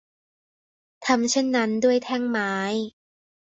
ทำเช่นนั้นด้วยแท่งไม้